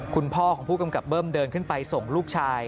คุณพ่อของผู้กำกับเบิ้มเดินขึ้นไปส่งลูกชาย